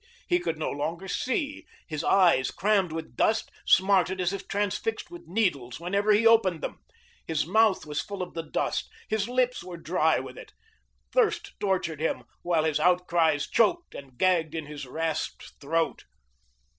He could no longer see; his eyes, crammed with dust, smarted as if transfixed with needles whenever he opened them. His mouth was full of the dust, his lips were dry with it; thirst tortured him, while his outcries choked and gagged in his rasped throat.